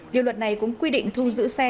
điều luật này cũng quy định thu giữ xe